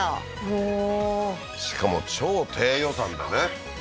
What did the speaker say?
おおーしかも超低予算でね